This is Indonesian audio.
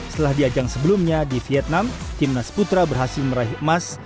setelah di ajang sebelumnya di vietnam timnas putra berhasil meraih emas